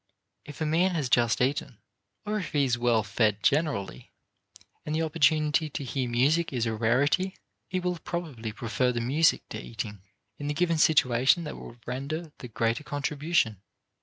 If a man has just eaten, or if he is well fed generally and the opportunity to hear music is a rarity, he will probably prefer the music to eating. In the given situation that will render the greater contribution.